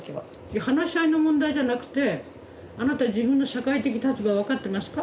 いや話し合いの問題じゃなくてあなた自分の社会的立場分かってますか？